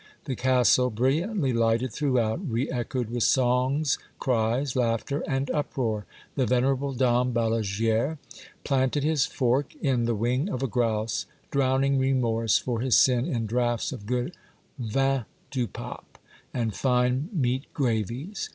The castle, brilliantly lighted throughout, re echoed with songs, cries, laughter, and uproar ; the venerable Dom Balaguere planted his fork in the wing of a grouse, drowning remorse for his sin in draughts of good vin du pape, and fine meat gravies.